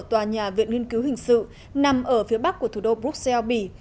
tòa nhà viện nghiên cứu hình sự nằm ở phía bắc của thủ đô bruxelles bỉ